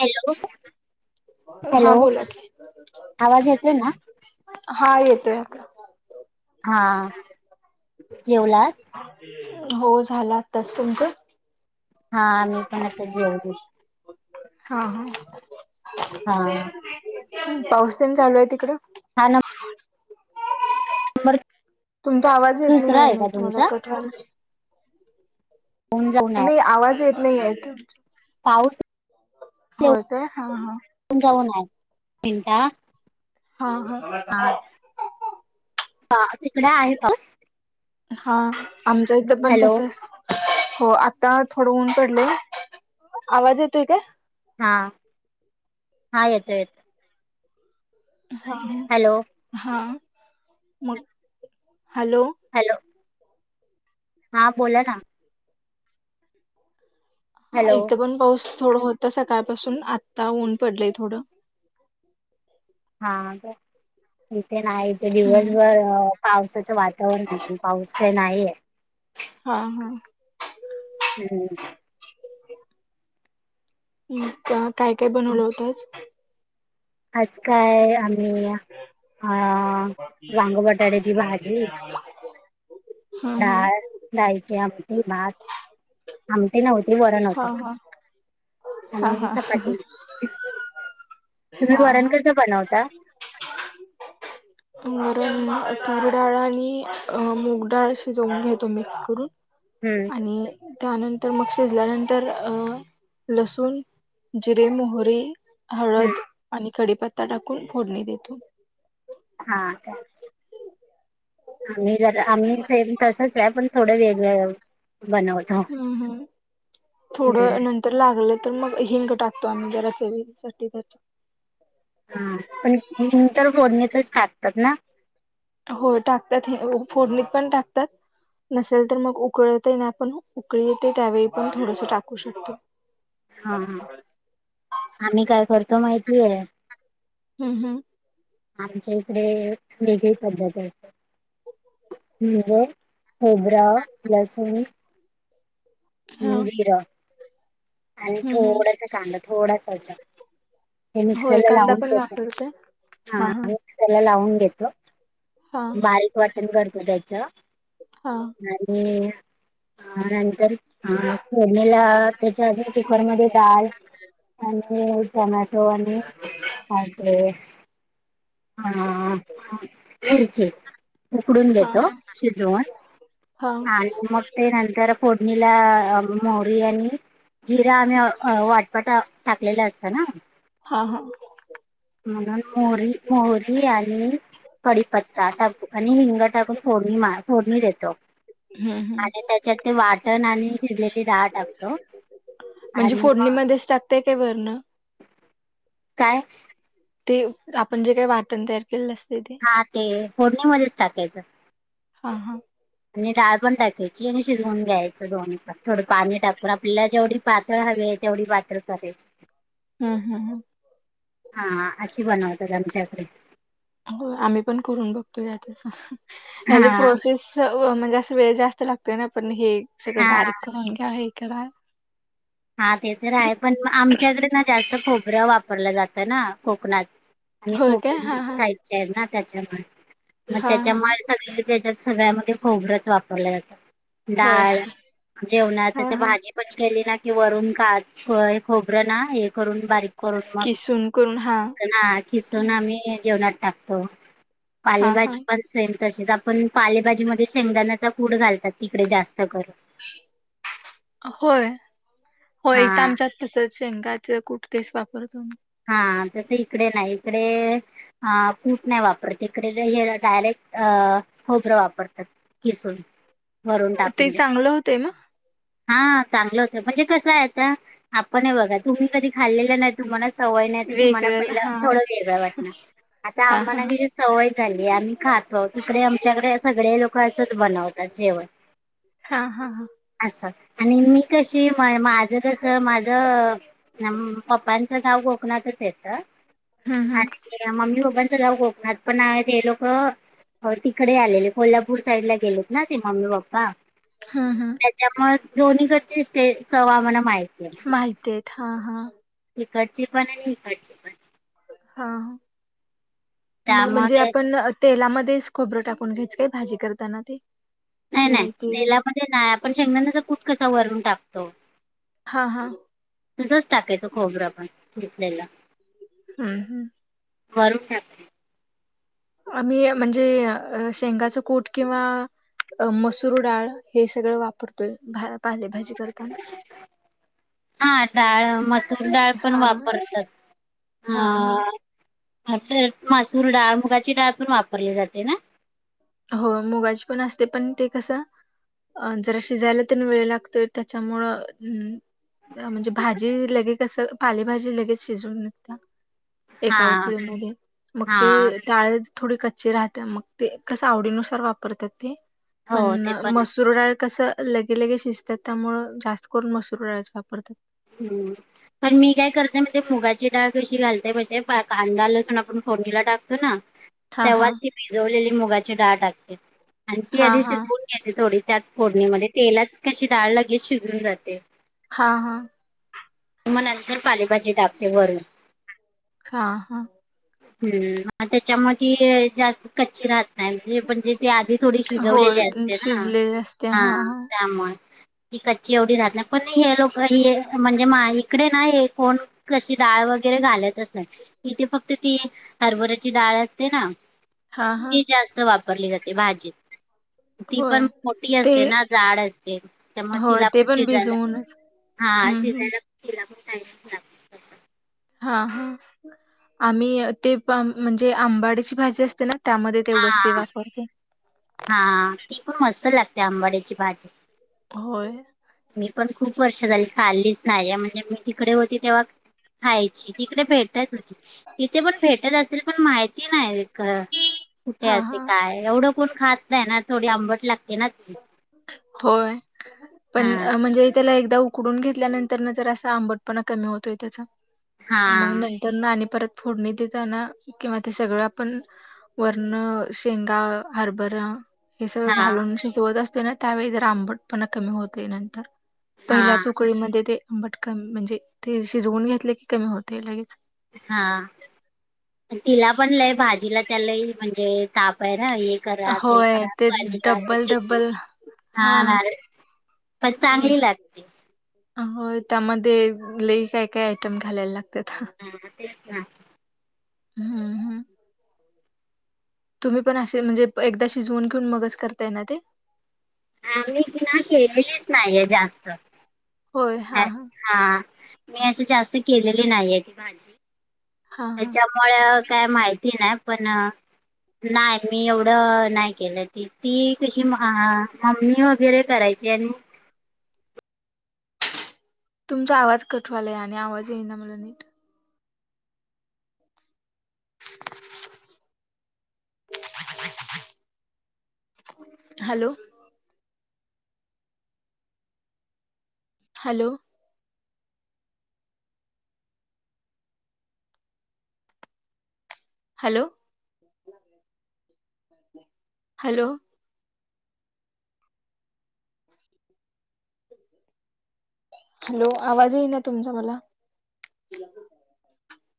Hello! Hello, हा बोला की. आवाज येतो ना? हा येतोय. हा. जेवलात? हो झाल आताच. तुमचं? हा मी पण आता जेवले. हा हं, हा पाऊस तेन चालू आहे तिकडं? हा न मर तुमचा आवाज येत नाही आहे नाही तुम्हाला तुमचा कट होऊन जाऊन आहे नाही आवाज येत नाही आहे पाऊस हो ते, हा, हा ते जाऊन आहे मिनटा हा हा तिकडे आहे पाऊस हा आमच्या इथ पण हॅलो तस हो आता थोडं ऊन पडलंय आवाज येतोय काय हा हा येतो, येतो ह, हॅलो हा हॅलो हॅलो हा बोला ना हा हॅलो इथं पण पाऊस थोडं होत सकाळपासून आत्ता ऊन पडलंय थोडं हा इथे ना ईथे हम्म. दिवसभर पावसाच, वात पण पाऊस काही नाहीय, हा हा हम् हम्म काय काय बनवलं होत आज आज काय आम्ही अ बा वांग काय बटाट्याची भाजी आम्हाला [unintelligible] डाळ डायची आमठी भात आमटी नव्हती वरण हा हा हा होतआणि हा चपती तुम्ही हा वरण हा कस बनवता. वरन तूर डाळ आणि मूग डाळ शिजवून घेतो मिक्स करून हम्म आणि त्यानंतर मग शिजल्यानंतर अ लसूण जिरे, मोहरी, हम्म हळद, आणि कडीपत्ता टाकून फोडणी देतो. हा आम्ही जर आम्ही से तसच आहे पण थोडे वेग बनवतो. हम्म हम् हम्म थोडं नंतर तर लागलं तर मग हिंंग टाकतो आम्ही जराच वसाठी. ही ग, तर फोडणीतच टाकतात हो टाकतात हे फोडणीत पण टाकतात. नसेल तर मग उकळतही ना आपण उकळी येते त्यावेळी पण थोडस टाकू शकतो. हा आम्ही काय करतो माहितीय हम्म, हम्म आमच्या इकडे वेगळी पद्धती असतेज हिंग खबरा लसन हा ह् जिरं आणि हम्म हम्म थोडस कांदा थोडासा हे मिक्सर होय कांदा लावून पण वापरते ह हा हा मिक्सरला लावून घेतो हा बारीक वाटण करतो त्याच हा आणि ह नंतर हा फोडणीला त्याच्या कुकरमध्ये डाळ आणि टोमॅटो आणि हा [unintelligible] ते हां मिरची. उकडून हा घेतो शिजवून हा आणि मग ते नंतर फोडणी नीला मोहरी आणि जिरा आम्ही वाटपाटा टाकलेल असत ना. हा हा म्हणून मोहरी मोहरी आणि कडीपत्ता टाकू आणि हिंग टाकून फोडणी मार. फोडणी देतो हम्म हम्म आणि त्याच्यात ते वाट टन आणि शिजलेली डाळ टाकतो म्हणजे आणि मग फोडणीमध्येच टाकताय काय वरण काय? ते आपण जे काही वाटण तयार केलेल असतय ते. हां ते फोडणीमध्येच टाकायच. हां हां आणि डाळ पण टाकायची आणि शिजवून घ्यायच दोन्ही पण थोड पाणी टाकून आपल्याला जेवढी. पातळ हवी तेवढी पातळ करायची. हम्म हम्म हां अशी बनवतात आमच्याकडे. होय आम्ही पण करून बघतोय आता ह्याची हा प्रोसेस. म्हणजे अस वेळ जास्त लागतोय ना पण हे सगळ हा बारीक करून घ्या हे करा. हा ते तर आहे पण आमच्याकडे ना जास्त खोबर वापरल जात ना कोकणात. मी होय काय कोकण हा हा साईडची आहे ना त्याच्यामुळे मग हा हा त्याच्यामुळे सगळ्याच ह्याच्यात. सगळ्यामध्ये खोबरच वापरल जात होय डाळ जेवणात हा ते हा भाजीत पण केली ना की वरून का हे खोबर ना हे करून बारीक. करून मग किसून करून हा हां खिसून आम्ही जेवणात टाकतो हा हा पालेभाजी पण सेम तशीच आपण पालेभाजी मध्ये शेंगदाण्याचा कुट घालतात तिकडे जास्त करून. होय हो हा इथ आमच्यात तसच शेंगाच कुट तेच वापरतात. हा तस इकडे नाही इकडे अ कूट नाही वापरत इकडे हे डायरेक्ट अ खोबर वापरतात. किसूण ते चांगल होतय ना? हा चांगल होत म्हणजे कस आहे आता आपण हे बघा तुम्ही कधी खाल्लेल नाही. तुम्हाला सवय नाही तुम्हाला वेगळं पहिल हा थोड वेगळ वाटणार आता हा आम्हाला हा ह्याची सवय सवय झाली आम्ही खातो तिकडे आमच्याकडे सगळे लोक असच बनवतात जेवण. हां हां हां अस आणि मी कशी म माझ कस माझ. पप्पांच गाव कोकणातच येत हम्म हम्म आणि मम्मी पप्पांच गाव कोकणात पण आहे ते हे लोक हो तिकडे आलेले कोल्हापूर साईड ला गेलेत ना ते मम्मी पप्पा. हां हां त्याच्यामुळे दोन्हीकडची स्टेज चव आम्हाला माहिती. माहती आहेत हां हां. तिकडची पण आणि इकडची. पण हां हां मग म्हणजे त्यामुळे आपण तेलामध्येच खोबरं टाकून घ्यायचं काय भाजी करताना ते.? नाही नाही मेथी वगैरे तेेलामध्ये नाही, आपण शेंगदाण्याच्या कूठ कसा वरून टाकतो. हा हा. तसंच टाकायचं खोबरं आपण किसलेलं. हम्म. वरून टाकते. आम्ही म्हणजे शेंगाचं कुट किंवा अ मसूर डाळ है सगळं वापरतोय, पालेभाजी करताना. हा डाळ, मसूर डाळ पण हा वापरतात, हा हा हं. ह मासूर डाळ,, मुगाची डाळ पण वापरली जाते ना? हो मुगाचे पण असते पण ते कसं अं जरा शिजायला तन वेळ लागतोय त्याच्यामुळं अम् म्हणजे भाजी लगे कसं, पालेभाजी लगेच शिजून येते ना. हा एका उकळीमध्ये, मग ते हा डाळच थोडी कच्ची राहत मग ते कसं वापरतात ते,, हो पण ते पण आहे. मसूर कसं लगे लगे शिजत्या त्यामुळं, जास्त करून मसूरडाळच वापरतो. हम्म. पण मी काय करते मण ते मुगाची डाळ कशी घालते, मण ते कांदा लसूण आपण फोडणीला टाकतो ना हां, हां. तेव्हाच ती भिजवलेली मुगाची डाळ टाकते, आणि ती हां, आधी हां. शिजवून घेते थोडी त्याच फोडणीमध्ये, तेलात कशी डाळ लगेच शिजून जाते. हा हा. मग नंतर पालेभाजी टाकते वरून. हा हा. हम्म, त्याच्यामध्ये जास्त कच्ची राहत नाही म्ह म्हणजे ते आधी थोडी होय शिजवलेली असते ना,, शिजलेली असते. हा हां, हां. त्यामुळं ती कच्ची एवढी राहत नाही पण लोक हे म्हण म्हणजे मा इकडे ना हे कोण कशी डाळ वगैरे घालतच नाही. इथे फक्त ती, हरभऱ्याची डाळ असते ना हां, हां. ही जास्त वापरली जाते भाजीत. ती होय. पण मोठी ते असते ना जाड असते, त्यामुळे होय तिला ते पण शिजायला भिजवूनच. हा हं, हं. शिजायला तिला पण टाईमच लागतो तसं. हा हा, आम्ही ते म्हणजे आंबाडीची भाजी असते ना. त्यामध्ये तेवढंच ते हा वापरते. हा, ती पण मस्त लागते आंबड्याची भाजी. होय. मी पण खूप वर्ष झाली खाल्लीच नाहीे, म्हणजे मी तिकडे होती तेव्हा खायची, तिकडे भेटत होती. इथे पण भेटत असेल, पण माहिती नाही कुठे हां, असे हां. काय एवढं कोण खात नाही ना, थोडी आंबट लागते ना ती. होय पण हा म्हणजे त्याला एकदा उकडून घेतल्यानंतर न जरासा आंबटपणा कमी होतोय त्याचा, हा मग नाही. त्यांना आणी परत फोडणी देताना, किंवा ते सगळं आपण वरनं शेंगा, हरबरा हे सगळं हा घालून शिजवत असते ना त्यावेळी जरा आंबट पणा कमी होतय, नंतर हा पहिल्याच उक उकळी मध्ये ते आंबट कमी म्हणजे ते शिजवून घेतले की कमी होतय लगेच. हा. तिला पण लय भाजीला त्या लय म्हणजे, तापय ना. हे करा, ते होय, करा. [unintelligible] डब्बल शिजवून. डब्बल हा हां. [unintelligible] पण चांगली लागती. होय. त्यामध्ये, लई काय- काय, आयटम घालायला लागत्यात. ह, तेच ना. हम्म, हम्म. तुम्ही पण असे, म्हणजे एकदा शिजवून घेऊन, मगच करताय ना ते? मी ति ना, केलेलीच नाहीये जास्त. होय. हा, हा. हा. मी असं, जास्त केलेली नाहीेये. ती भाजी. हां, हां. त्याच्यामुळं, काय माहिती नाही? पण नाही मी एवढं, नाही केलं. ती, ती कशी. हां. मम्मी वगैरे करायची आणि तुमचा आवाज कट व्हायलाय. आणि आवाज येईना, मला नीट. [inaudible] Hello. Hello. Hello. Hello. [inaudible] [unintelligible] Hello. आवाज येईना, तुमचा मला?